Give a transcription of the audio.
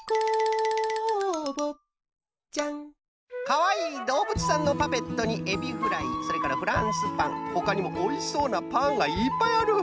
かわいいどうぶつさんのパペットにエビフライそれからフランスパンほかにもおいしそうなパンがいっぱいある！